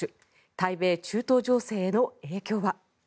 対米・中東情勢への影響は？